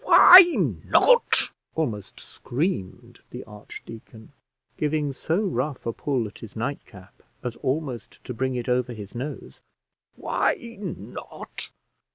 "Why not!" almost screamed the archdeacon, giving so rough a pull at his nightcap as almost to bring it over his nose; "why not!